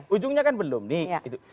ujungnya kan belum nih